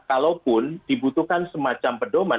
kalaupun dibutuhkan semacam pedoman